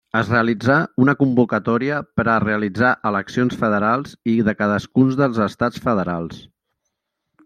Es realitzà una convocatòria per a realitzar eleccions federals i de cadascun dels estats federals.